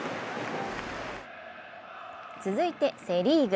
続いてセ・リーグ。